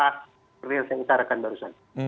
seperti yang saya utarakan barusan